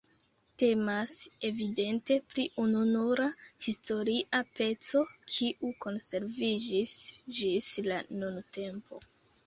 Temas evidente pri ununura historia peco, kiu konserviĝis ĝis la nuntempo.